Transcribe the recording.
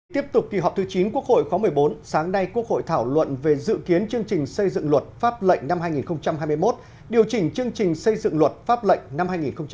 tiếp tục kỳ họp thứ chín quốc hội khóa một mươi bốn sáng nay quốc hội thảo luận về dự kiến chương trình xây dựng luật pháp lệnh năm hai nghìn hai mươi một điều chỉnh chương trình xây dựng luật pháp lệnh năm hai nghìn hai mươi